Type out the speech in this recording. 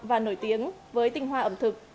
và nổi tiếng với tinh hoa ẩm thực